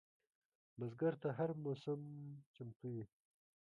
بزګر ته هره موسم چمتو وي